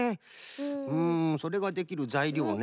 うんそれができるざいりょうね。